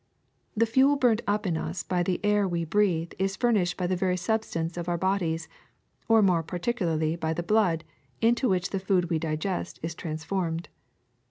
'' The fuel burnt up in us by the air we breathe is furnished by the very substance of our bodies, or more particularly by the blood, into which the food we digest is transformed.